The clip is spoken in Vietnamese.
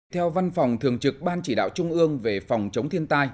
theo văn phòng thường trực ban chỉ đạo trung ương về phòng chống thiên tai